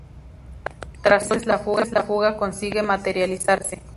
Tras ocho meses, la fuga consigue materializarse.